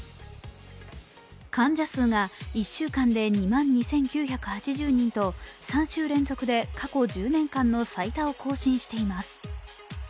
患者数が１週間で２万２９８０人と３週連続で過去１０年間の最多を更新しています。